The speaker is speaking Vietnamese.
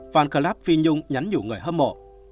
fan club phi nhung nhắn dụ người hâm mộ